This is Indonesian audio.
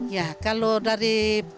ya kalau dari